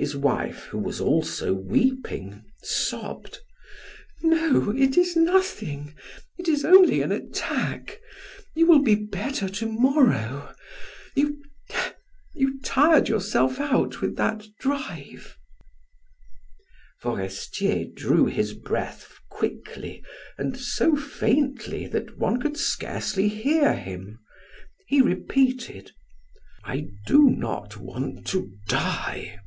His wife, who was also weeping, sobbed: "No, it is nothing. It is only an attack; you will be better to morrow; you tired yourself with that drive." Forestier drew his breath quickly and so faintly that one could scarcely hear him. He repeated: "I do not want to die!